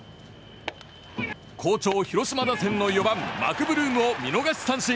好調広島打線４番マクブルームを見逃し三振。